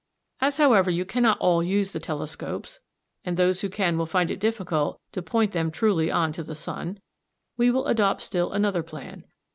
] As, however, you cannot all use the telescopes, and those who can will find it difficult to point them truly on to the sun, we will adopt still another plan.